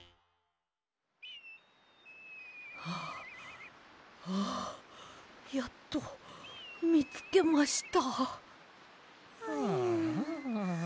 はあはあやっとみつけました。